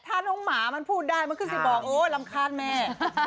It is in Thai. ถ้าน้องหมามันพูดได้มันขึ้นสิบอกโอ้รำคาญแม่